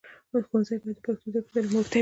ښوونځي باید د پښتو زده کړې ته لومړیتوب ورکړي.